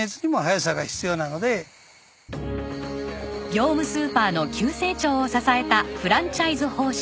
業務スーパーの急成長を支えたフランチャイズ方式。